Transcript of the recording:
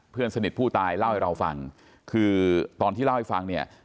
เพื่อนสนิทผู้ตายเล่าให้เราฟังคือตอนที่เล่าให้ฟังเนี่ย